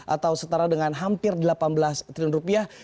atau setara dengan hampir delapan belas triliun rupiah